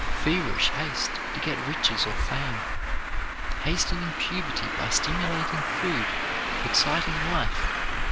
feverish haste to get riches or fame, hastening puberty by stimulating food, exciting life, etc.